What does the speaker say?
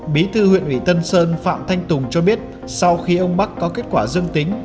bí thư huyện ủy tân sơn phạm thanh tùng cho biết sau khi ông bắc có kết quả dương tính